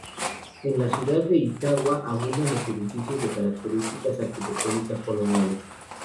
En la ciudad de Itauguá abundan los edificios de características arquitectónicas coloniales.